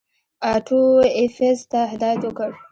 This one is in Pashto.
آټو ایفز ته هدایت وکړ.